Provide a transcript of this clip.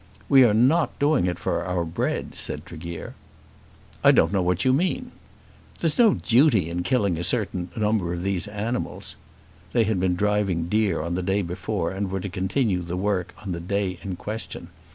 "We are not doing it for our bread," said Tregear. "I don't know what you mean." "There's no duty in killing a certain number of these animals." They had been driving deer on the day before and were to continue the work on the day in question.